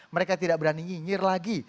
mereka tidak berani nyinyir lagi